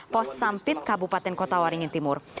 pos sampit kabupaten kota waringin timur